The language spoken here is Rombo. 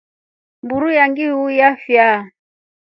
Mburu iya njiiu yafyaa.